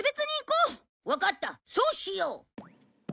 わかったそうしよう。